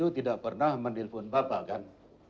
tidak pernah menelpon bapak kan